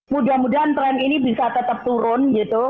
mudah mudahan tren ini bisa tetap turun gitu